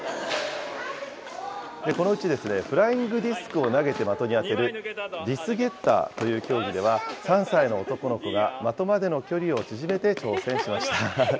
このうちですね、フライングディスクを投げて的に当てるディスゲッターという競技では、３歳の男の子が的までの距離を縮めて挑戦しました。